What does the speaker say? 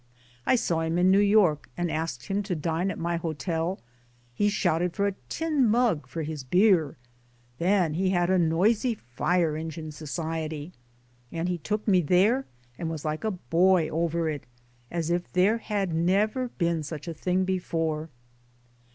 I saw him in New York and asked him to dine at my, Hotel. He shouted for a * tin mug * for his beer. Then he had a noisy fire engine society. And he took me there and was like a boy over it, as if there had never been such a thing before."